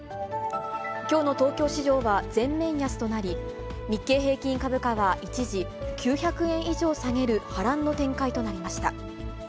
きょうの東京市場は全面安となり、日経平均株価は一時、９００円以上下げる波乱の展開となりました。